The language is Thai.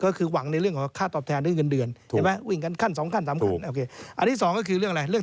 ก็คือหวังในเรื่องของค่าตอบแทนหรือเงินเดือน